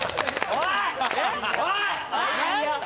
おい！